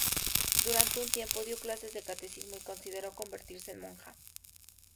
Durante un tiempo dio clases de Catecismo y consideró convertirse en monja.